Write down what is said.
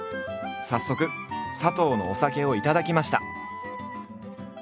早速佐藤のお酒を頂きました。